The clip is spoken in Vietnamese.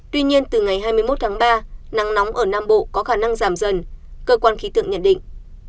tuy nhiên từ ngày hai mươi một tháng ba nắng nóng ở nam bộ có khả năng giảm dần cơ quan khí tượng nhận định